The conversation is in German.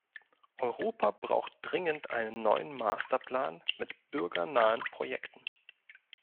Europa braucht dringend einen neuen Masterplan mit bürgernahen Projekten.